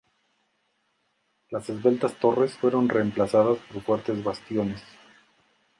Las esbeltas torres fueron reemplazadas por fuertes bastiones.